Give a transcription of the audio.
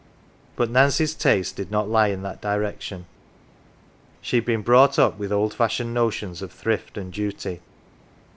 "" But Nancy's tastes did not lie in that direction : she had been brought up with old fashioned notions of thrift and duty.